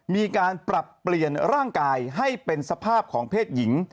มีการปรับเปลี่ยนร่างกายให้เป็นสภาพของเพศหญิง